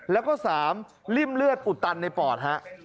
แล้วก็๓ริ่มเลือดอุดตันในปอดฮะ